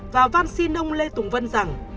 và văn xin ông lê tùng vân rằng